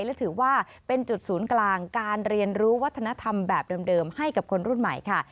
และถือว่าเป็นจุดศูนย์กลางการเรียนรู้วัฒนธรรมแบบเดิมให้กับคนรุ่นใหม่ค่ะ